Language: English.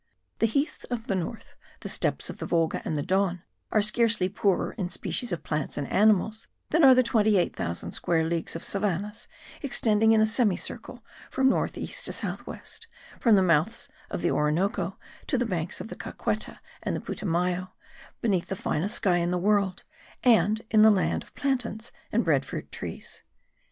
The heaths of the north, the steppes of the Volga and the Don, are scarcely poorer in species of plants and animals than are the twenty eight thousand square leagues of savannahs extending in a semicircle from north east to south west, from the mouths of the Orinoco to the banks of the Caqueta and the Putumayo, beneath the finest sky in the world, and in the land of plantains and bread fruit trees.